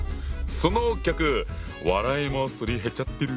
そのギャグ笑いもすり減っちゃってる？